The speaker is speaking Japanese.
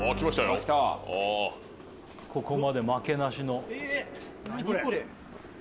あここまで負けなしの何これ？